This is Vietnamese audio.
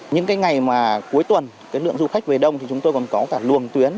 những cái ngày mà cuối tuần cái lượng du khách về đông thì chúng tôi còn có cả luồng tuyến